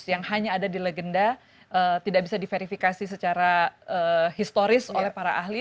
yang hanya ada di legenda tidak bisa diverifikasi secara historis oleh para ahli